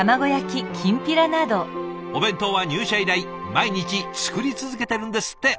お弁当は入社以来毎日作り続けてるんですって。